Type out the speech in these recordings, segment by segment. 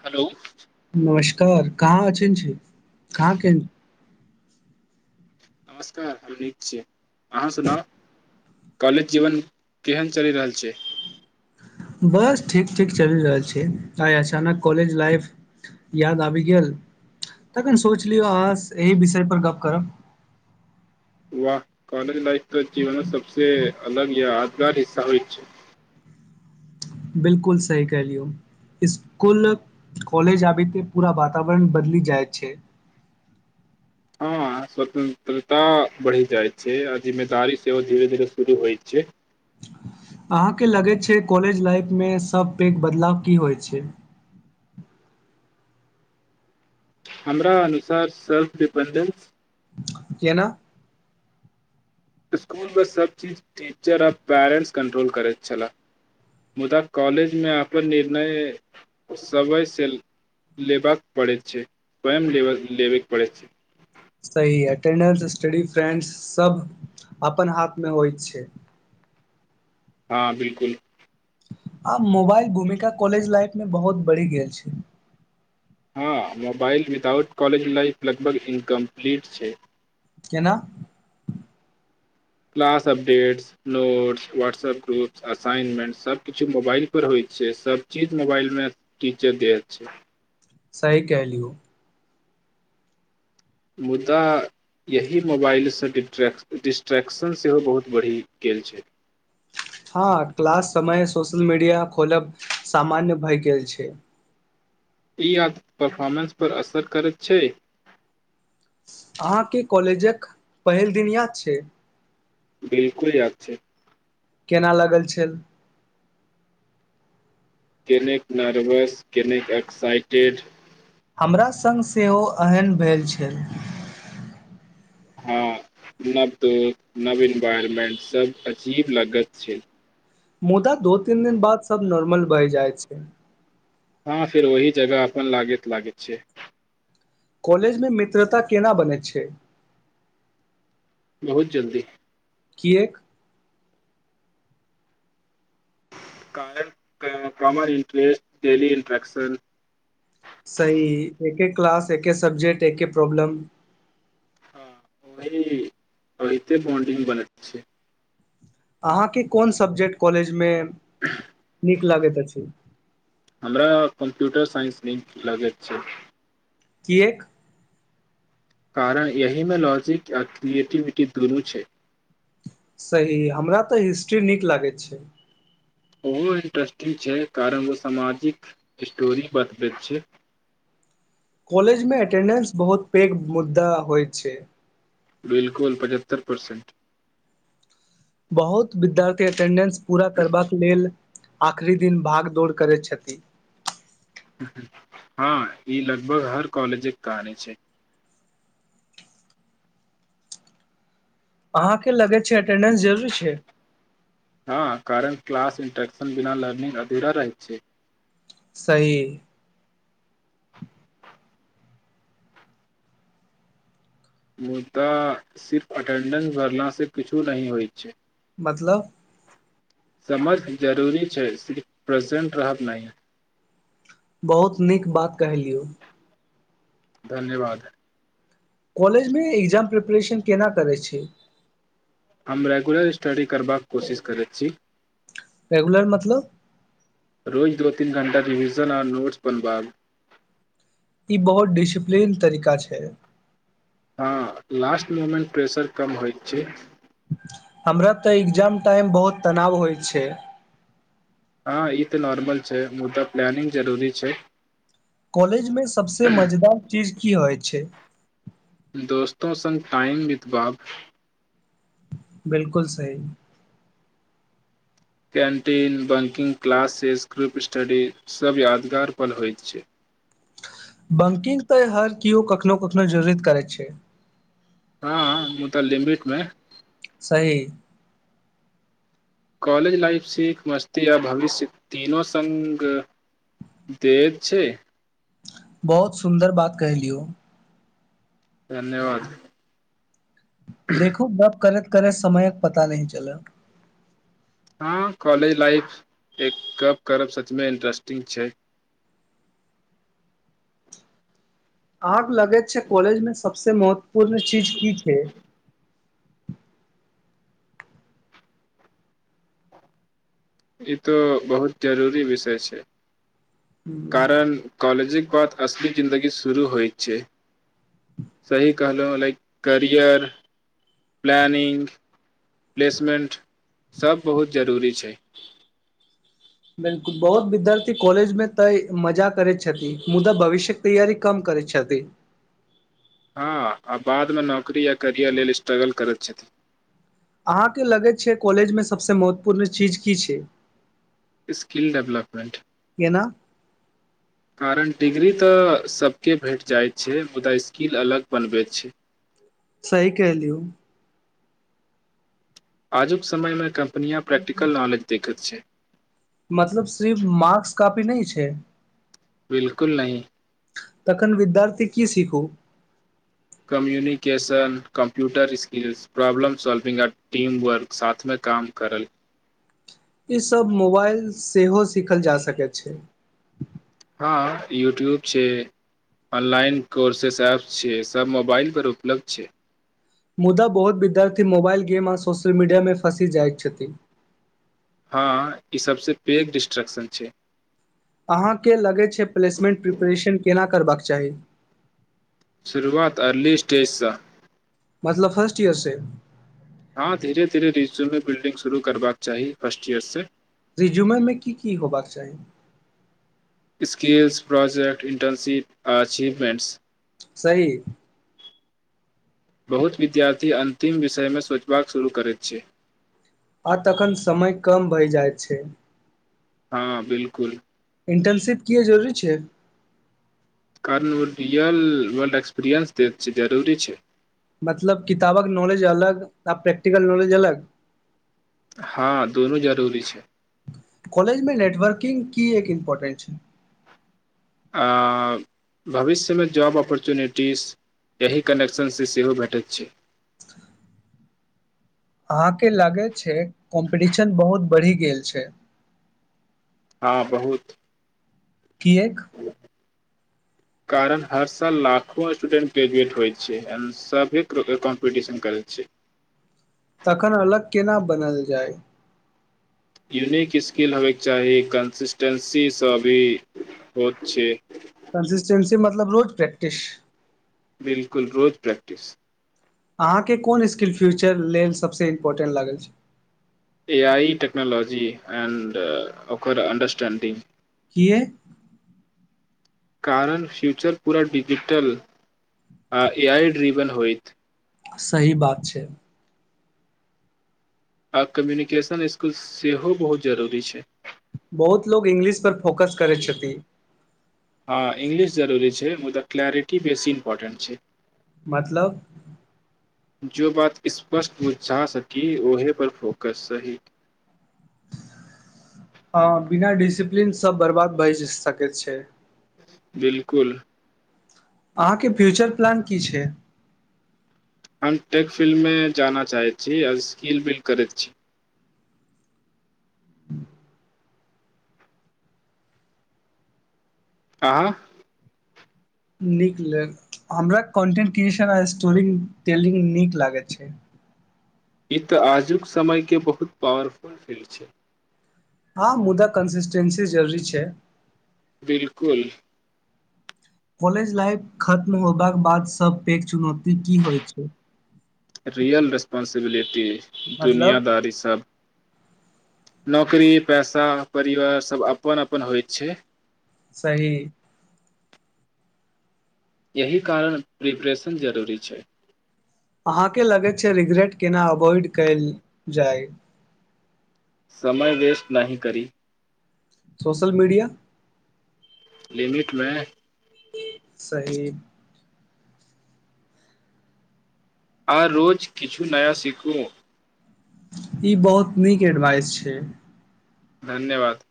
hello नमस्कार कहाँ अचं छी कहाँ के नमस्कार हम नीक छी अहाँ सुनाउ कॉलेज जीवन केहन चलि रहल छै बस ठीक ठीक चलि रहल छै आइ अचानक कॉलेज लाइफ याद आबि गेल तखन सोच लियौ अहाँ एहि विषयपर गप्प करब वाह कॉलेज लाइफ तऽ जीवनमे सबसँ अलग या यादगार हिस्सा होइत छै बिलकुल सही क लियौ इसकुल कॉलेज आबी त पूरा वातावरण बदल जाए छै हँ स्वतन्त्रता बढ़ि जाइ छै आ जिम्मेदारी सेहो धीरे धीरे शुरू होइ छै अहाँके लगैत छै कॉलेज लाइफमे सभ पैघ बदलाव की होइत छै हमरा अनुसार सर्फ डिपेंडेंस केना स्कूल सभ चीज टीचर आ पेरेन्ट्स कंट्रोल करैत छह मुदा कॉलेजमे अपन निर्णय समयसँ लेबाक पड़ैत छै स्वयं लेबयके पड़ैत छै सही अटेंडेंस स्टडी फ्रेंड्ससभ अपन हाथमे होइत छै हँ बिलकुल आब मोबाइल भूमिका कॉलेज लाइफमे बहुत बढ़ि गेल छै हँ मोबाइल विदााउट कॉलज लाइफ लगभग इनकम्प्लीट छै केना class updates notes WhatsApp groups assignment सभकिछु मोबाइलपर होइ छै सभचीज मोबाइलमे टीचर द छै सही कहलियौ मुदा यही मोबाइलसँ डिस्ट्रैक डिस्ट्रैेक्शन सेहो बहुत बढ़ि गेल छै हँ क्लास समय सोशल मीडिया खोलब सामान्य भए गेल छै ई आ परर्फॉर्मन्स पर असर करैत छै अहाँके कॉलेजक बिल्कुल याद छै केना लागल छल कनेक नार्भास कनेक एक्साइटेड हमरा सङ्ग सेहो एहन भेल छल हँ नव दोस्त नवी एनवायरमेंट सभ अजीब लागत छै मुदा दो तीन दिन बाद सब नॉर्मल बहि जाइ छै हँ फेर ओही जगह अपन लागैत लागैत छैिय कॉलेजमे मित्रता केना बनैत छै बहुत जल्दी कीएक कार कामन इन्ट्रे डली इन्ट्रकशन सही एके क्लास एके सबब्जेकट एके प्रॉब्लम हँ ओहि ओहि त बन्डिंग बन छै अहाँके कोन सब्जेक्ट कॉलेजमे नीक लागैत छै हमरा कम्प्यूटर साइन्स लिंक लगेैत छै की एक कारण यहमे लॉजिक आ क्रिएटिविटी दुनू छै सही हमरा तऽ हिस्ट्री नीक लागैत छै ओहो इंट्रेस्टिंग छै कारण ओ सामाजिक स्टोरी बतबैत छै कॉलेजमे एटेंडेंस बहुत पैघ मुद्दा होइत छै बिलकुल पचहत्तरि परसेंट बहुत विद्यार्थी अटेंडेंस पूरा करबाक लेल आखरी दिन भाग दौड़ करैत छथि हँ ई लगभग हर कॉलेजके कहानी छै अहाँके लगै छै अटेंडेंस जरूरी छै हँ कारण क्लास इन्टर्शन बिना लर्निंग अधेरा रहै छै सही मुदा सिर्फ अटेंडेंस भरलासँ किछो नहि होइत छै मतलब समर्थ जरूरी छै सिर्फ प्रेजेंट रहत नहि बहुत नीक बात कह लियौ धन्यवाद कॉलेजमे एक्जाम प्रिपरेशन केना करै छै हम रेगुलर स्टडी करबाक कोशिश करैत छी रेगुलर मतलब रोज दो तीन घणटा रिविज़न आर नोट्सपनबाद ई बहुत डिसिप्लिन तरीका छै हँ लास्ट मुमेंट प्रसर कम होइ छै हमरा तऽ एग्जाम टाइम बहुत तनाव होइ छै हँ ई तऽ नॉर्मल छै मुदा प्लनिंग जरूरी छै कॉलेज में सबसे मजेदार चीज की होय छै दोस्तों सङ्ग टाइम विदबाब बिलकुल सही कैन्टीन बंकिंग क्लासेज ग्रुप स्टडीसभ यादगार पल होइत छै बैंकिंग तऽ हर केओ कखनो कखनो जरूरत करैत छै हँ मुतलिमीटमे तही कॉलेज लाइफ सीख मस्ती आ भविष्य तीनो सङ्ग देत छै बहुत सुंन्दर बात कह लियौ धन्यवाद देखू अब करैत करे समयक पता न चल हँ कॉलेज लाइफ एक गप करब सचमे इंट्रेस्टिंग छै अहाँ लगैत छै कॉलेज में सभसं महत्वपूर्ण चीज की छै ई त बहुत जरूरी विषय छै कारण कॉलेजिक बस असली जिंन्दगी शुरू होय छै सही कहलहु लाइक करियर प्लानिंग प्लेसमेंट सब बहुत जरूरी छै बिलकुल बहुत विद्यार्थी कॉलेजमे तऽ मजा करैत छथि मुदा भविष्यक तैयारी कम करैत छथि हँ आ बादमे नौकरी या करियर लेल स्ट्रगल करैत छथि अहाँके लगैत छै कॉलेजमे सभसँ महत्वपूर्ण चीज की छै स्किल डेवलपमेन्ट केना कारण डिग्री तऽ सबके भेट जाइत छै मुदा स्किल अलग बनबैत छै सही कहलियो आजुक समयमे कम्पनियाँ प्रैकटिकल नॉलेज देखैत छै मतलब सिर्फ मार्क्स कॉफी नहि छै बिलकुल नहि तखन विद्यार्थी की सिखू communication computer skills problem solving आ टीम वर्क साथमे काम करल ईसभ मोबाइल सेहो सीखल जा सकैत छै हँ यूट्यूब छै ऑनलाइन कोर्सेस एपस छै सब मोबाइल पर उपलब्ध छै मुदा बहुत विद्यार्थी मोबाइल गेम आ सोशल मीडियामे फँसि जाइत छथिन हँ ई सभसँ पैघ डिस्ट्रेक्शन छै अहाँके लगैत छै प्लेसमेंट प्रिपरेशन केना करबाक चाही शुरुआत अर्ली स्टेजसँ मतलब फर्स्ट ईयर से हँ धीरे धीरे रीजनमे बिल्डिंग शुरू करबाक चाही फर्स्ट ईयर से रिज्यूमरमे की की होबाक चाही स्किल्स प्रोजेक्ट इंटर्नशिप अचीवमेंट्स सही बहुत विद्यार्थी अन्तिम विषयमे सोचबाक शुरू करैत छै आ तखन समय कम भय जाइत छै हँ बिलकुल इंटर्नशिप किए जरूरी छै कारण ओ रियल वर्ल्ड एक्सपीरियन्स दैत छै जरूरी छै मतलब किताबक नॉलेज अलग आ प्रैक्टिकल नॉलेज अलग हँ दुनू जरूरी छै कॉलेजमे नेटवर्किंग की एक इम्पोर्टेंट छै आ भविष्यमे जॉब ऑपर्च्युनिटीज यही कनेक्शनसँ सेहो भेटैत छै [unintelligible] अहाँके लागै छै कॉम्पिटिशन बहुत बढ़ि गेल छै हँ बहुत किएक कारण हर साल लाखों स्टूडेंट ग्रेजुएट होइत छै आ सभ कॉम्पीटिशन करैत छै तखन अलग केना बनल जाय यूनिक स्किल होबयके चाही कंसिस्टेंसीसँ भी होत छै से मतलब रोज प्रैकटिस बिलकुल रोज प्रैकटिस अहाँके कोन स्किल फ्यूचर लेल सभसँ इम्पोर्टेंट लागल छै ए आइ टकनोलॉजी एंड ओकरकर अंडरस्टेंडिंग कि कारण फ्यूचर पुरा डिजिटल आ ए आइड रिबन होइतत सही बात छै आ कम्युनिकेशन स्कुल सेहो बहुत जरूरी छै बहुत लोक इंग्लिश पर फोकस करैत छथिन हँ इंग्लिश जरूरी छै मुदा क्लैरिटी बेसी इम्पोर्टेंट छै मतलब जो बात स्पष्ट बुझा सकी ओहे पर फोकस सही हँ बिना डिसिप्लीन सब बर्बाद भइ सके छै बिलकुल अहाँके फ्यूचर प्लान की छै हम टेक फिल्ममे जाना चाहैत छी आ स्किल बिल्ड करैत छी आँ नीक लेफ़्ट हमरा कन्टेंट क्रिएशन आ स्टोरी टेलिंग नीक लागैत छै ई तऽ आजुक समयके बहुत पावरफुल फील्ड छै हँ मुद्दा कन्सिस्टेन्सी जरूरी छै बिलकुल कॉलेज लाइफ खत्म होबाक बाद सभ पैघ चुनौती की होइ छै रियल रेस्पंसिबिलिटी मतलब दुनियादारी सबब नौकरी पैसा परिवार सभ अपन अपन होइ छै सही एहिह कारण प्रिपरेशन जरूरी छै अहाँके लगैत छै रिगरेट केना अवॉइड कयल जाय समय वेस्ट नहि करी सोशल मीडिया लिमिट में सहीब आ रोज किछु नया सिखू ई बहुत नीक एडवाइस छै धन्यवाद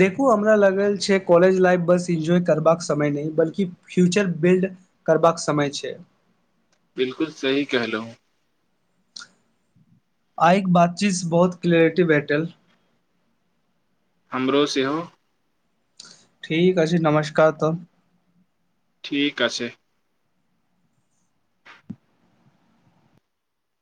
देखू हमरा ल कॉलज लाइफ बस एन्जॉय करबाक समय न बल्की फ्यूचर बिल्ड करबाक समय छै बिलकु सही कहलहु आइक बातचीत बहुत क्लियरिटि ब एटल हमरो सेहो ठीक छै नमस्कार त ठीक अ छै